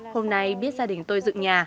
hôm nay biết gia đình tôi dựng nhà